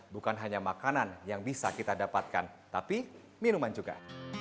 bukan hanya makanan yang bisa kita dapatkan tapi minuman juga